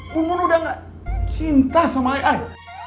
bunbun udah gak cinta sama ai ai